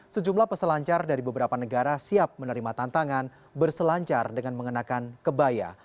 sejumlah peselancar dari beberapa negara siap menerima tantangan berselancar dengan mengenakan kebaya